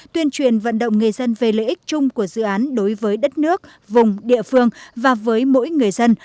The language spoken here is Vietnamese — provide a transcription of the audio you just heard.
tuyên truyền vận động người dân về lợi ích chung của dự án đối với đất nước vùng địa phương và với mỗi người dân